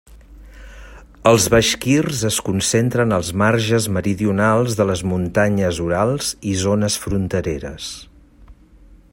Els baixkirs es concentren als marges meridionals de les Muntanyes Urals i zones frontereres.